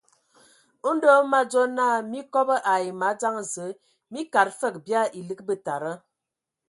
Ndɔ hm me adzo naa mii kobo ai madzaŋ Zǝə, mii kad fǝg bia elig betada.